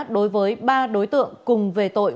đối với ba đối tượng cùng về tội